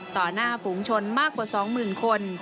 ต่อหน้าฝุงชนมากกว่า๒หมื่นคน